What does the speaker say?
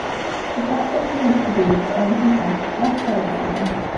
If that's what she wants to do to earn some cash that's her decision.